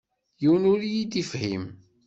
Yiwen ur yi-d-ifehhem.